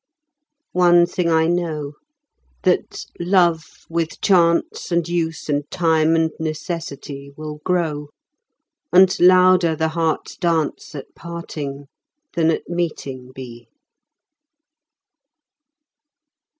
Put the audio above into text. One thing I know, that love with chance And use and time and necessity Will grow, and louder the heart's dance At parting than at meeting be.